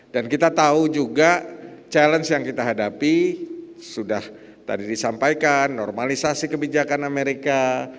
dan kita tahu juga challenge yang kita hadapi sudah tadi disampaikan normalisasi kebijakan amerika